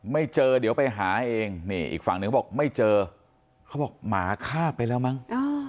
ไม่เจอเดี๋ยวไปหาเองนี่อีกฝั่งหนึ่งเขาบอกไม่เจอเขาบอกหมาฆ่าไปแล้วมั้ง